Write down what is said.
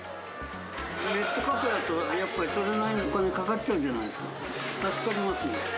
ネットカフェだと、やっぱりそれなりのお金かかっちゃうじゃないですか、助かります。